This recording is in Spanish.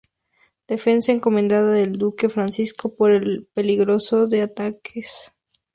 Defensa encomendada al duque Francisco, por el peligro de ataques ingleses en esa zona.